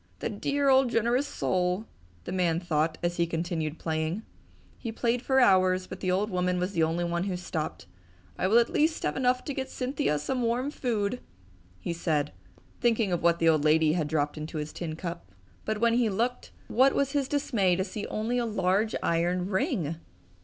"The dear old generous soul!" the old man thought as he continued playing. He played for hours, but the old woman was the only one who stopped. "I will at least have enough to get Cynthia some warm food!" he said, thinking of what the old lady had dropped into his tin cup. But when he looked, what was his dismay to see only a large iron ring!